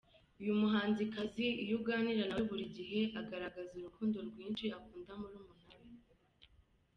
Uyu muhanzikazi iyo uganira nawe buri gihe agaragaza urukundo rwinshi akunda murumuna we.